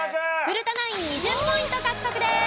古田ナイン２０ポイント獲得です。